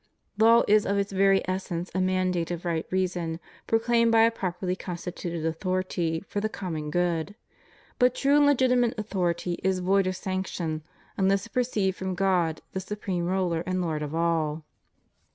185 Law is of its very essence a mandate of right reason, pro claimed by a property constituted authority, for the com mon good. But true and legitimate authority is void of sanction, unless it proceed from God the supreme Ruler and Lord of all.